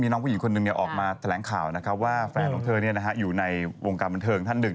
น้องผู้หญิงคนหนึ่งออกมาแถลงข่าวนะครับว่าแฟนของเธออยู่ในวงการบันเทิงท่านหนึ่ง